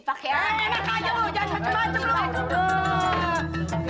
pakai anak gua